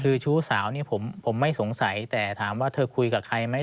คือชู้สาวนี่ผมไม่สงสัยแต่ถามว่าเธอคุยกับใครไหม